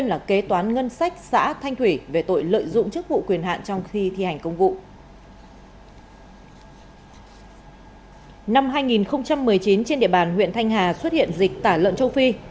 năm hai nghìn một mươi chín trên địa bàn huyện thanh hà xuất hiện dịch tả lợn châu phi